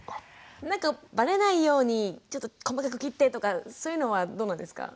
なんかバレないようにちょっと細かく切ってとかそういうのはどうなんですか？